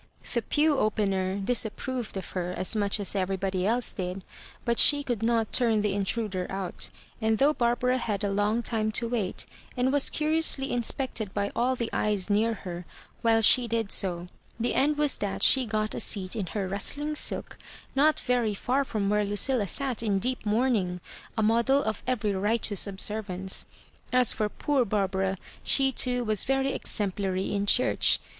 The pew opener disapproved of her as much as everybody else did, but she conld not turn the intruder out ; and though Barbara had a long time to vrait, and was curiously in spected by all the eyes near her while she did so, the end was that she got a seat in her rust ling silk not very far from where Ludlla sat in deep mourning, a model of every righteous ob servance. As for poor Barbara, she too was very exemplary in church.